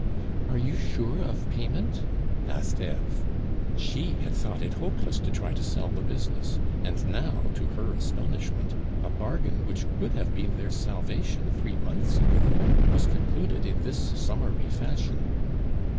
"Are you sure of payment?" asked Eve. She had thought it hopeless to try to sell the business; and now, to her astonishment, a bargain which would have been their salvation three months ago was concluded in this summary fashion.